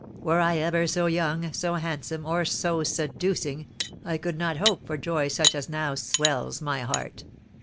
Were I ever so young, so handsome, or so seducing, I could not hope for joy such as now swells my heart.